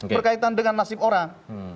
berkaitan dengan nasib orang